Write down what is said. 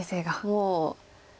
もう。